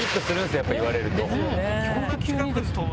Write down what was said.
やっぱり言われると。ですよね。